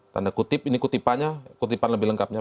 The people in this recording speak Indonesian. tanda kutip ini kutipannya kutipan lebih lengkapnya